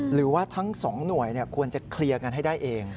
หรือว่าทั้งสองหน่วยควรจะเคลียร์กันให้ได้เอง